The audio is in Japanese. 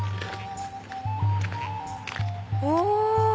お！